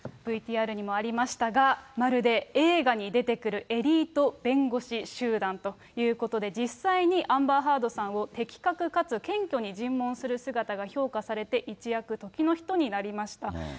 ＶＴＲにもありましたが、まるで映画に出てくるエリート弁護士集団ということで、実際にアンバー・ハードさんを的確かつ謙虚に尋問する姿が評価されて、いちやく時の人になりました。